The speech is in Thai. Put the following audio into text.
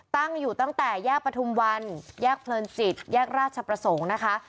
ตั้งอยู่ตั้งแต่แยกประทุมวันแยกเพลินจิตแยกราชประสงค์นะคะ